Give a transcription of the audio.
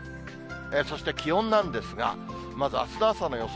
そして気温なんですが、まずあすの朝の予想